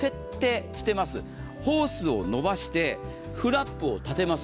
ホースを伸ばしてフラップを立てます。